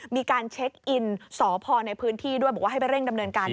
มีการเช็คอินสพในพื้นที่ด้วยบอกว่าให้ไปเร่งดำเนินการ